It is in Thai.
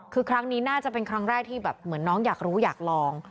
คือครั้งนี้น่าจะเป็นครั้งแรกที่แบบเหมือนน้องอยากรู้อยากลอง